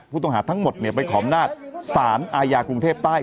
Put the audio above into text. ผู้ต่อหาทั้งหมดไปขอมนาศศาลอายาครุงเทพใต้